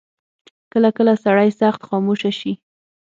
کله کله سړی سخت خاموشه شي.